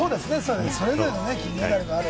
それぞれの金メダルがある。